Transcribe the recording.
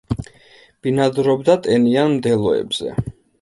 ბინადრობდა ტენიან მდელოებზე.